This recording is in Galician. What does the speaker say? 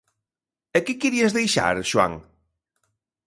–¿E que querías deixar, Xoán?